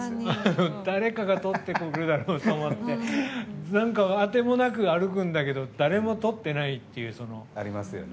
誰かがとってくれるだろうと思ってあてもなく歩くんだけど誰もとってないっていう。